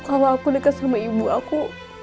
kalau aku dekat sama ibu aku